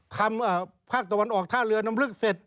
ทำภาคตะวันออกท่าเรือนำฤกษ์เสร็จ